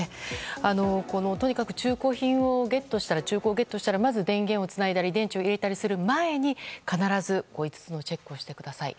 とにかく中古品をゲットしたらまず電源をつないだり電池を入れる前に必ず５つのチェックをしてください。